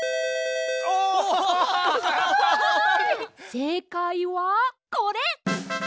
せいかいはこれ！